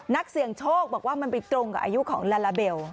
นักเสี่ยงโชคบอกว่ามันไปตรงกับอายุของลาลาเบล